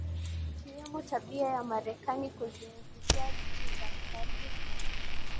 Ikiwemo tabia ya Marekani kuziingilia nchi za Caribbean